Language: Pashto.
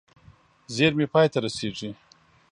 زېرمې پای ته رسېږي.